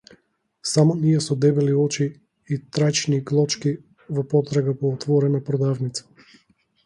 Само ние со дебели очи и траќни глочки во потрага по отворена продавница.